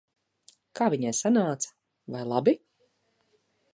Kā viņai sanāca? Vai labi?